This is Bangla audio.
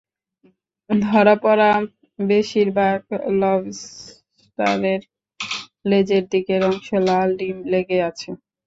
ধরা পড়া বেশির ভাগ লবস্টারের লেজের দিকের অংশে লাল ডিম লেগে আছে।